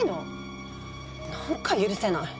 なんか許せない！